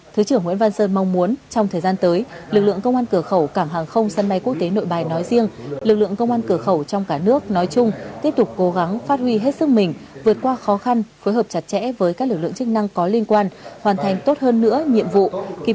thứ trưởng nguyễn văn sơn chia sẻ với những người ở tuyến đầu trong mặt trận phòng chống dịch covid một mươi chín đã và đang phải đối diện